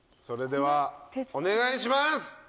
それではお願いします。